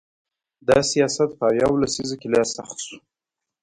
دا سیاست په ویاو لسیزه کې لا سخت شو.